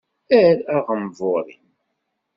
Err aɣenbur-im.